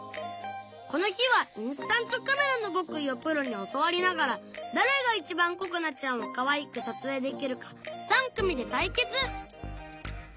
この日はインスタントカメラの極意をプロに教わりながら誰が一番ここなちゃんをかわいく撮影できるか３組で対決！